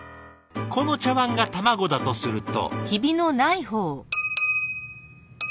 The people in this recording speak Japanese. この茶わんが卵だとすると。